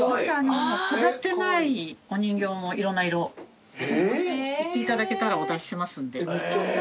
飾ってないお人形もいろんな色言っていただけたらお出ししますんで。